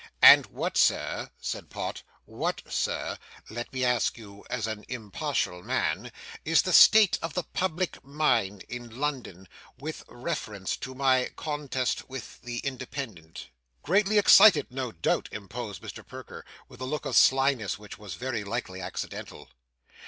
'And what, Sir,' said Pott 'what, Sir, let me ask you as an impartial man, is the state of the public mind in London, with reference to my contest with the Independent?' 'Greatly excited, no doubt,' interposed Mr. Perker, with a look of slyness which was very likely accidental.